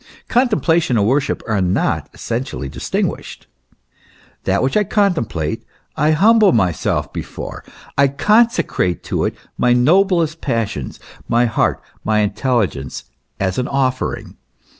Contemplation and worship are not essentially dis tinguished. That which I contemplate I humble myself before, I consecrate to it my noblest possession, my heart, my intel ligence, as an offering.